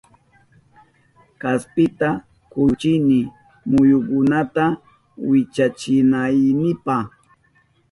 Kaspita kuyuchini muyunkunata wichachinaynipa